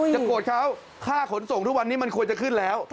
โกรธเขาค่าขนส่งทุกวันนี้มันควรจะขึ้นแล้ว